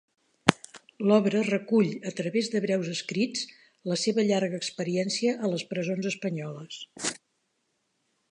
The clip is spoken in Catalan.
L'obra recull, a través de breus escrits, la seva llarga experiència a les presons espanyoles.